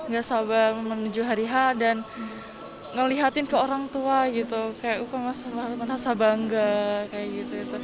gak sabar menuju hari h dan ngeliatin ke orang tua gitu kayak aku merasa bangga kayak gitu